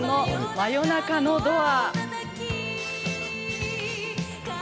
「真夜中のドア」。